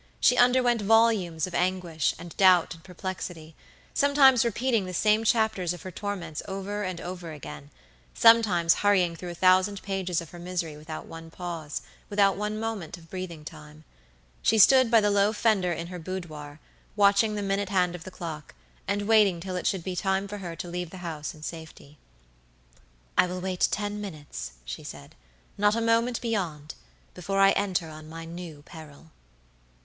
She underwent volumes of anguish, and doubt, and perplexity; sometimes repeating the same chapters of her torments over and over again; sometimes hurrying through a thousand pages of her misery without one pause, without one moment of breathing time. She stood by the low fender in her boudoir, watching the minute hand of the clock, and waiting till it should be time for her to leave the house in safety. "I will wait ten minutes," she said, "not a moment beyond, before I enter on my new peril."